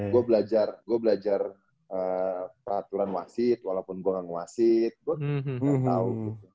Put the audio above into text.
gue belajar gue belajar peraturan wasit walaupun gue gak ngewasit gue gak tau